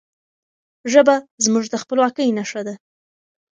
ژبه زموږ د خپلواکی نښه ده.